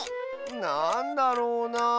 なんだろうなあ。